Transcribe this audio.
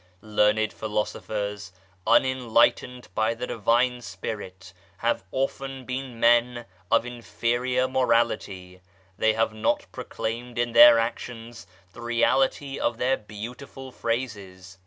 Learned philosophers, unenlightened by the Divine Spirit, have often been men of inferior morality ; they have not proclaimed in their actions the reality of their beautiful phrases.